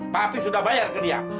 tapi sudah bayar ke dia